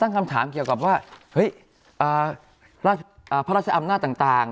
คำถามเกี่ยวกับว่าเฮ้ยพระราชอำนาจต่าง